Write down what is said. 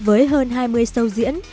với hơn hai mươi show diễn